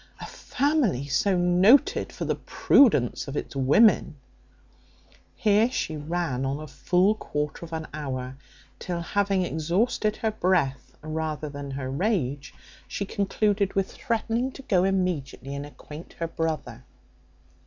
A family so noted for the prudence of its women" here she ran on a full quarter of an hour, till, having exhausted her breath rather than her rage, she concluded with threatening to go immediately and acquaint her brother.